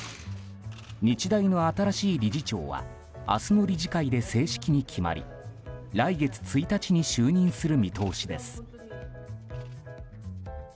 日大の新しい理事長は明日の理事会で正式に決まり来月１日に就任する見通しです。